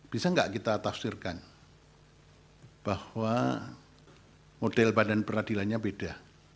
bisa nggak kita tafsirkan bahwa model badan peradilannya beda